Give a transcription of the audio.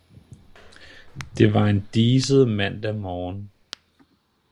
Det var en diset mandag morgen